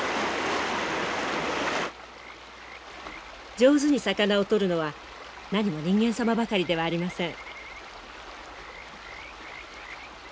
上手に魚を取るのはなにも人間様ばかりではありません。